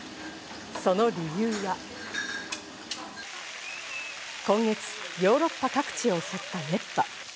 その理由は、今月、ヨーロッパ各地を襲った熱波。